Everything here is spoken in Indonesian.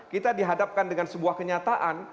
kita dihadapkan dengan sebuah kenyataan